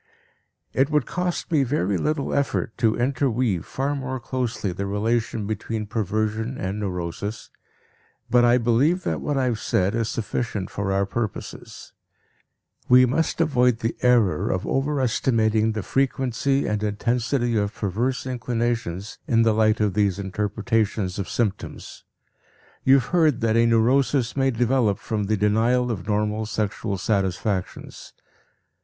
It would cost me very little effort to interweave far more closely the relation between perversion and neurosis, but I believe that what I have said is sufficient for our purposes. We must avoid the error of overestimating the frequency and intensity of perverse inclinations in the light of these interpretations of symptoms. You have heard that a neurosis may develop from the denial of normal sexual satisfactions.